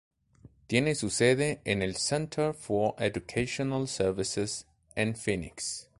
Tiene su sede en el "Center for Educational Services" en Phoenix.